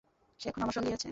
সে এখন আমার সঙ্গেই আছে।